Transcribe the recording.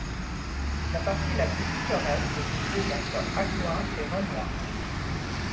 La partie la plus pittoresque se trouve entre Acquoy et Rhenoy.